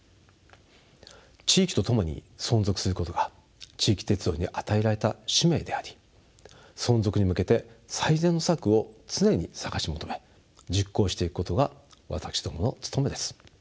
地域と共に存続することが地域鉄道に与えられた使命であり存続に向けて最善の策を常に探し求め実行していくことが私どもの務めです。